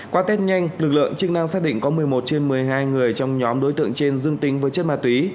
qua test nhanh lực lượng chức năng xác định có một mươi một trên một mươi hai người trong nhóm đối tượng trên dương tính với chất ma túy